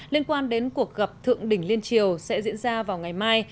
liên quan đến cuộc gặp thượng đỉnh liên triều sẽ diễn ra vào ngày mai